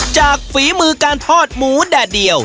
ฝีมือการทอดหมูแดดเดียว